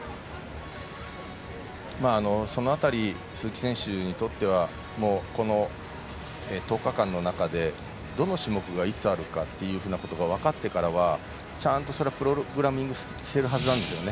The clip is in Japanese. その辺り鈴木選手にとってはこの１０日間の中でどの種目がいつあるかが分かってからはちゃんとプログラミングをしてるはずなんですね。